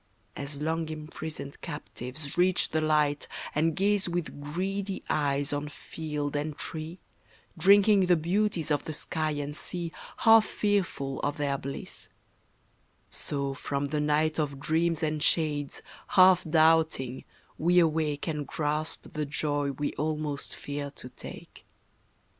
As long imprisoned captives reach the light, And gaze with greedy eyes on field and tree, Drinking the beauties of the sky and sea Half fearful of their bliss; so from the night Of dreams and shades, half doubting, we awake And grasp the joy we almost fear to take.